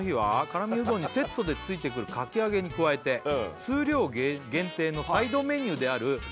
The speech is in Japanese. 「辛味うどんにセットでついてくる」「かき揚げに加えて」「数量限定のサイドメニューである」